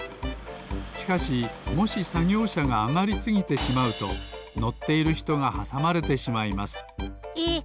しかしもしさぎょうしゃがあがりすぎてしまうとのっているひとがはさまれてしまいますえっ！